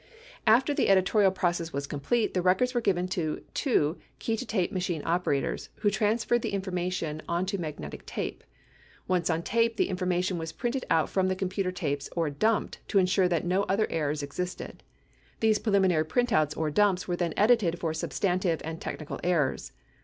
After the editorial process was complete, the records were given to two key to tape machine operators who transferred the information onto magnetic tape. Once on tape, the information was printed out from the computer tapes or "dumped" to insure that no other errors existed. These preliminary printouts or "dumps" were then edited for substantive and technical errors.